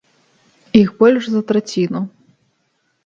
Іх больш за траціну.